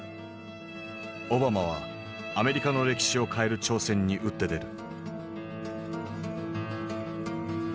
オバマはアメリカの歴史を変える挑戦に打って出る。